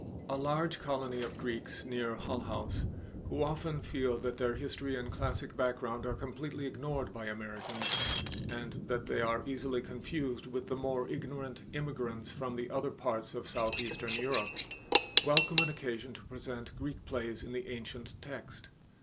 A large colony of Greeks near Hull House, who often feel that their history and classic background are completely ignored by Americans, and that they are easily confused with the more ignorant immigrants from other parts of southeastern Europe, welcome an occasion to present Greek plays in the ancient text.